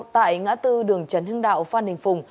tại ngã tư đường trần hưng đạo phan đình phùng